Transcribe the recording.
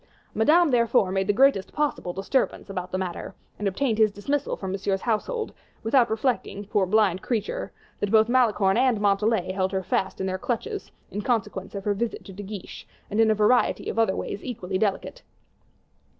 Madame therefore made the greatest possible disturbance about the matter, and obtained his dismissal from Monsieur's household, without reflecting, poor blind creature, that both Malicorne and Montalais held her fast in their clutches in consequence of her visit to De Guiche, and in a variety of other ways equally delicate.